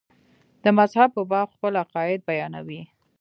د مذهب په باب خپل عقاید بیانوي.